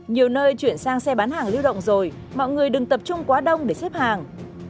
nhiều nơi chuyển sang xe bán hàng lưu động rồi mọi người đừng tập trung quá đông để xếp hàng